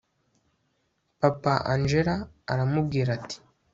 papa angella aramubwira ati